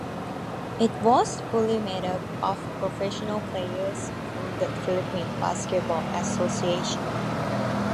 It was fully made up of professional players from the Philippine Basketball Association.